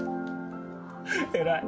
偉い。